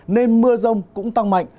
nên mưa rông cũng tăng mạnh